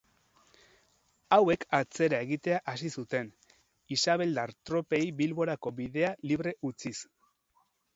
Hauek atzera-egitea hasi zuten, isabeldar tropei Bilborako bidea libre utziz.